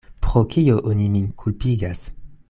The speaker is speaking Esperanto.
Pro kio oni min kulpigas?